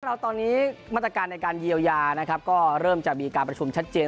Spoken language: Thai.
เราตอนนี้มาตรการในการเยียวยานะครับก็เริ่มจะมีการประชุมชัดเจน